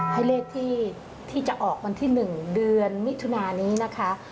ให้เลขที่จะออกวันที่๑เดือนมิถุนานี้นะคะ